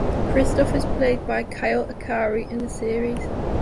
Kristoff is played by Kyle Echarri in the series.